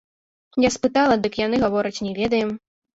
Я спытала, дык яны гавораць, не ведаем.